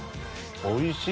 おいしい！